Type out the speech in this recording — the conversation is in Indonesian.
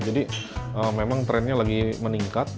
jadi memang trennya lagi meningkat